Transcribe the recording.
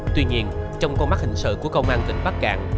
tuy nhiên trong con mắt hình sợ của công an tỉnh bắc cạn